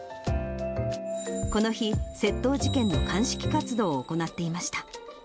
この日、窃盗事件の鑑識活動を行っていました。